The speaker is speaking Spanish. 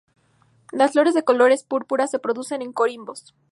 Las flores de colores púrpura se producen en corimbos.